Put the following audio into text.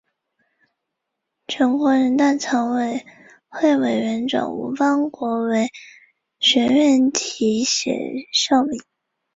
全国人大常委会委员长吴邦国为学院题写校名。